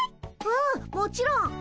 うんもちろん。